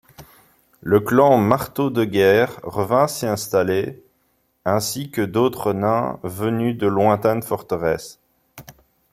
Le clan Marteaudeguerre revint s'y installer, ainsi que d'autres nains venus de lointaines forteresses.